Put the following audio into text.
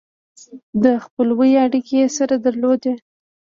د خپلوۍ اړیکې یې سره درلودې.